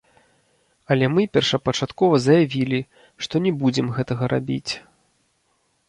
Але мы першапачаткова заявілі, што не будзем гэтага рабіць.